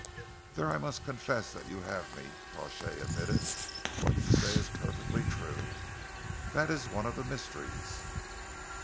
"There I must confess that you have me," Crawshay admitted. "What you say is perfectly true. That is one of the mysteries.